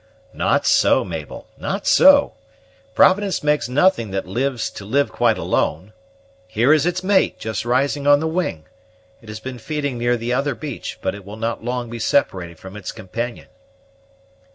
"Not so, Mabel, not so; Providence makes nothing that lives to live quite alone. Here is its mate, just rising on the wing; it has been feeding near the other beach, but it will not long be separated from its companion."